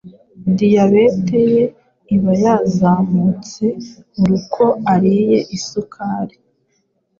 Diyabete ye iba yazamutse buri uko ariye isukari